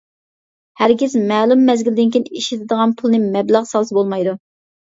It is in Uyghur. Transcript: ھەرگىز مەلۇم مەزگىلدىن كېيىن ئىشلىتىدىغان پۇلنى مەبلەغ سالسا بولمايدۇ.